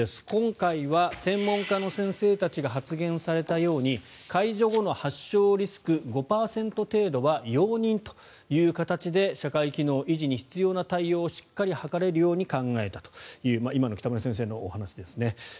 今回は専門家の先生たちが発言されたように解除後の発症リスク５％程度は容認という形で社会機能維持に必要な対応をしっかり図れるように考えたという今の北村先生のお話ですね。